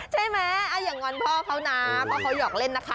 ใช่ไหมอย่างงอนพ่อเขานะพ่อเขาหอกเล่นนะคะ